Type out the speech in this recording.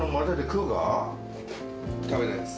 食べないです。